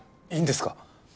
いいんですか？